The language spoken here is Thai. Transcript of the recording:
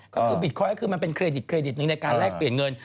ก็คือบิตคอยน์คือมันเป็นเครดิตในการแลกเปลี่ยนเงิน